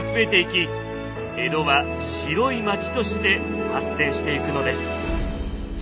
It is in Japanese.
江戸は「白い町」として発展していくのです。